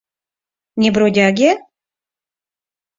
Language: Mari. Не бродяге?